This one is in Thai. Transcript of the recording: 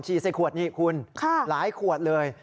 ใส่ขวดนี่คุณหลายขวดเลย